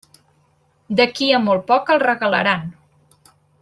D'aquí a molt poc els regalaran.